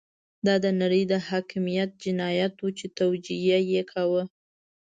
دا د نړۍ د حاکميت جنايت وو چې توجیه يې کاوه.